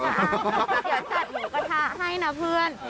อยากจัดหมูกระทะให้นะเพื่อน